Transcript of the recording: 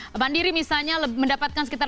bank mandiri misalnya mendapatkan sekitar